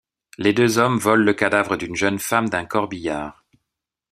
Les deux hommes volent le cadavre d'une jeune femme d'un corbillard.